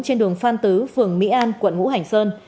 trên đường phan tứ phường mỹ an quận ngũ hành sơn